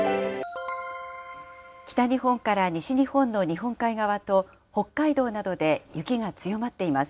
北日本から西日本の日本海側と、北海道などで雪が強まっています。